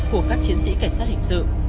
của các chiến sĩ cảnh sát hình sự